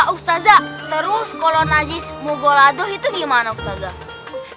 ustazah terus kalau najis mukholadoh itu gimana ustazah